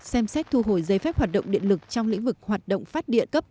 xem xét thu hồi giấy phép hoạt động điện lực trong lĩnh vực hoạt động phát điện cấp